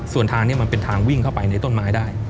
ส่วนทางนี้มันเป็นทางวิ่งเข้าไปในต้นไม้ได้